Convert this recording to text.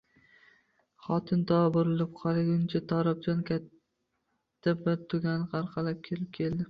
Xotin to burilib qaraguncha Turobjon katta bir tugunni orqalab kirib keldi.